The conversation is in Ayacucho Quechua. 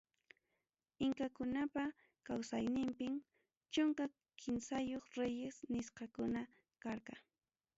Inkakunapa kawsayninpim chunka kimsayuq reyes nisqakuna karqa.